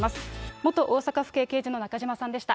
元大阪府警刑事の中島さんでした。